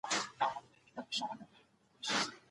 د دولت ستونزي باید ژر تر ژره حل سي.